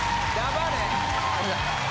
黙れ。